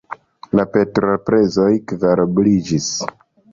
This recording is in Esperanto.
La petrolprezoj kvarobliĝis.